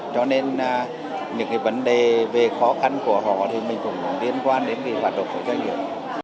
cho nên những cái vấn đề về khó khăn của họ thì mình cũng liên quan đến cái hoạt động của doanh nghiệp